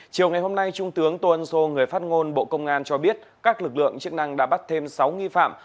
chiều ngày hôm nay trung tướng tô ân sô người phát ngôn bộ công an cho biết các lực lượng chức năng đã bắt thêm sáu nghi phạm